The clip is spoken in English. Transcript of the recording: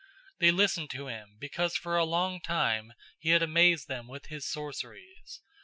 008:011 They listened to him, because for a long time he had amazed them with his sorceries.